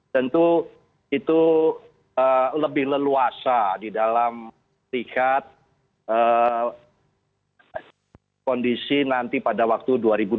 tentu itu lebih leluasa di dalam tingkat kondisi nanti pada waktu dua ribu dua puluh